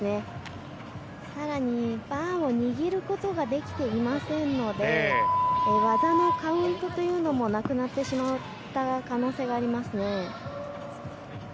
更にバーを握ることができていませんので技のカウントというのもなくなってしまった可能性がありますね。